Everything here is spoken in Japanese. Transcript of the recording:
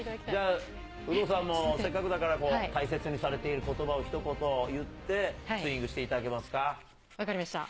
有働さんもせっかくだから、大切にされていることばをひと言言って、スイングしていただけま分かりました。